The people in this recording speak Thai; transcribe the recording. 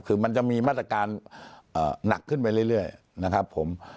คือมันจะมีมาตรการหนักขึ้นไปเรื่อยนะครับผม